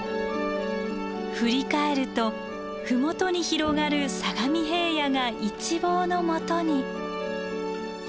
振り返ると麓に広がる相模平野が一望のもとに。